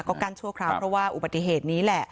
ก็กั้นชั่วคราวเพราะว่าอุบัติเหตุนี้แหละ